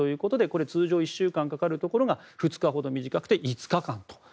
通常、１週間かかるところが２日ほど短く、５日間と。